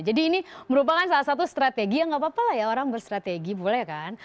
jadi ini merupakan salah satu strategi yang gak apa apa lah ya orang bersrategi boleh kan